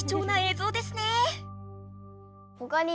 ぞうですね！